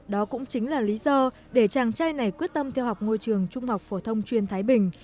đó cũng chính là lý do để chàng trai này quyết tâm theo học ngôi trường trung học phổ thông chuyên thái bình